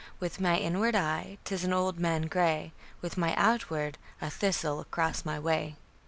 With my inward Eye, 't is an old Man grey, With my outward, a Thistle across my way.